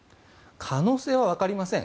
可能性はわかりません。